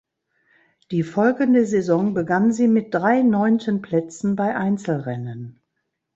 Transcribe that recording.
Die folgende Saison begann sie mit drei neunten Plätzen bei Einzelrennen.